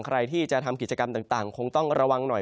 ใครที่จะทำกิจกรรมต่างคงต้องระวังหน่อย